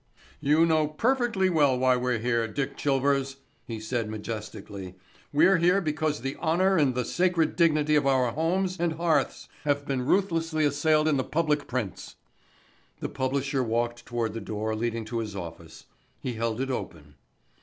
"You know perfectly well why we're here, Dick Chilvers," he said majestically. "We're here because the honor and the sacred dignity of our homes and hearths have been ruthlessly assailed in the public prints." The publisher walked toward the door leading to his office. He held it open.